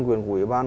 quyền của ủy ban